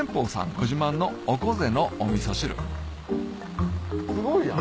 ご自慢のオコゼのおみそ汁すごいやん！